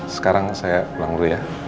sekarang saya ulang dulu ya